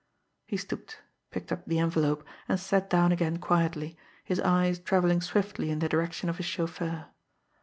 He stooped, picked up the envelope, and sat down again quietly, his eyes travelling swiftly in the direction of his chauffeur.